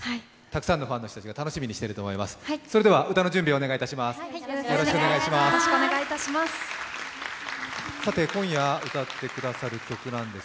たくさんのファンの人たちが楽しみにしていると思います。